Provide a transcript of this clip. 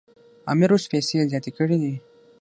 امیر اوس پیسې زیاتې کړي دي.